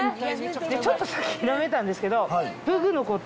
ちょっとさっきひらめいたんですけど。